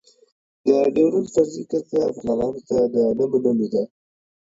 د ډېورنډ فرضي کرښه افغانانو ته د نه منلو ده.